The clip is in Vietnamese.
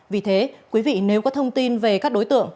vì thế quý vị nếu có thông tin về các đối tượng